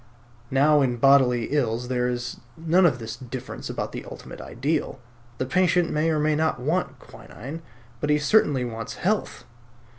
Now in bodily ills there is none of this difference about the ultimate ideal. The patient may or may not want quinine; but he certainly wants health.